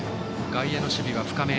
外野の守備は深め。